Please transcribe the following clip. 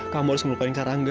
kamu harus ngelupain kak rangga